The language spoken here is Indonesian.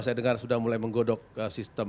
saya dengar sudah mulai menggodok sistem